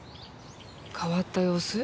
変わった様子？